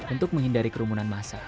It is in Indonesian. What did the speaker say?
untuk menghindari kerumunan masa